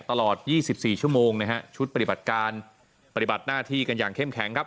ตลอด๒๔ชั่วโมงนะฮะชุดปฏิบัติการปฏิบัติหน้าที่กันอย่างเข้มแข็งครับ